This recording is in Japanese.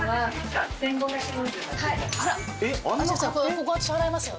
ここ私払いますよ